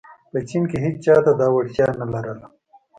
په چین کې هېچا دا وړتیا نه لرله.